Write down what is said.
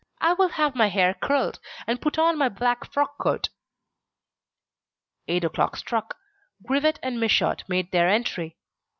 I will have my hair curled, and put on my black frock coat." Eight o'clock struck. Grivet and Michaud made their entry.